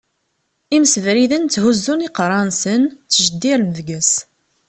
Imsebriden tthuzzun iqerra-nsen, ttjeddiren deg-s.